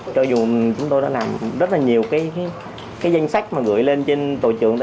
cho dù chúng tôi đã làm rất là nhiều cái danh sách mà gửi lên trên tổ trưởng